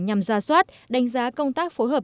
nhằm ra soát đánh giá công tác phối hợp